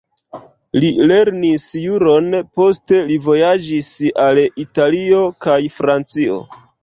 Li lernis juron, poste li vojaĝis al Italio kaj Francio.